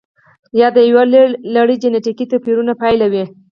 یا د یو لړ جنتیکي توپیرونو پایله وي.